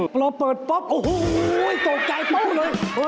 พอเราเปิดป๊อบโอ้โฮโตตใจทุกครูเลย